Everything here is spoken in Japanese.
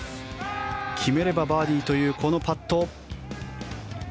決めればバーディーというこのパット。